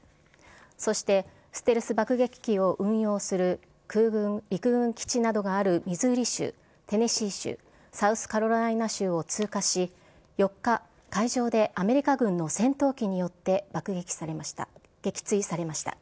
そして、ステルス爆撃機を運用する空軍、陸軍基地などがあるミズーリ州、テネシー州、サウスカロライナ州を通過し、４日、海上で、アメリカ軍の戦闘機によって撃墜されました。